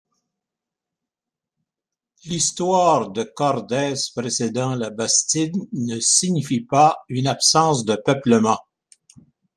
L'histoire de Cordes précédant la bastide ne signifie pas une absence de peuplement.